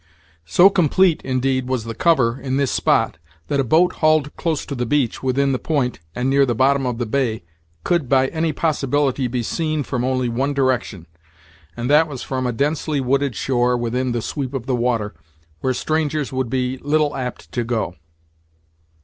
So complete, indeed, was the cover, in this spot, that a boat hauled close to the beach, within the point, and near the bottom of the bay, could by any possibility be seen from only one direction; and that was from a densely wooded shore within the sweep of the water, where strangers would be little apt to go.